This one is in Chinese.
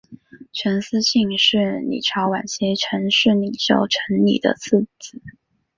陈嗣庆是李朝晚期陈氏领袖陈李的次子。